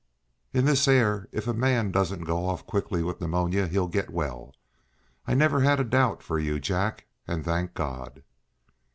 "In this air if a man doesn't go off quickly with pneumonia, he'll get well. I never had a doubt for you, Jack and thank God!"